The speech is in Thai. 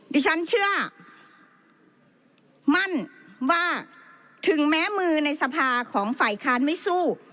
ดิฉันเชื่อมั่นว่าถึงแม้มือในสภาของฝ่ายค้านไม่สู้